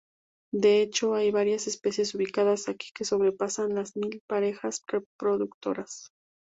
De hecho, hay varias especies ubicadas aquí que sobrepasan las mil parejas reproductoras.